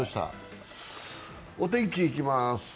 お天気、いきます。